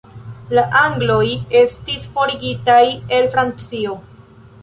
La Angloj estis forigitaj el Francio.